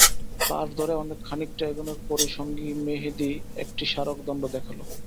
পাড় ধরে খানিকটা এগোনোর পরই সঙ্গী মেহেদী একটি স্মারক দণ্ড দেখাল।